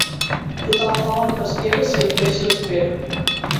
Tothom fa bona pesquera si el peix l'espera.